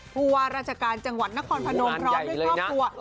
ผู้ว่าราชการจังหวัดนครพนมพร้อมด้วยครอบครัว